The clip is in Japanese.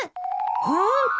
ホント！